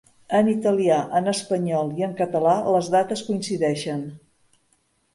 En italià, en espanyol i en català les dates coincideixen.